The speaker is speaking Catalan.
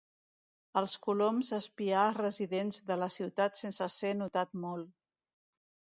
Els coloms espiar als residents de la ciutat sense ser notat molt.